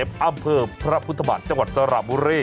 อำเภอพระพุทธบาทจังหวัดสระบุรี